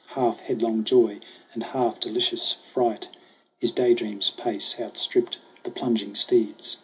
Half headlong joy and half delicious fright, His day dream's pace outstripped the plunging steed's.